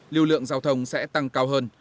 lưu lượng giao thông sẽ tăng cao hơn